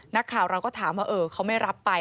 นักข่าวเราก็ถามว่าเขาไม่รับไป